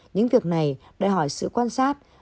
những việc này đòi hỏi sự quan sát